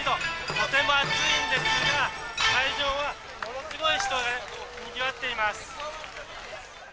とても暑いんですが会場はものすごい人でにぎわっています。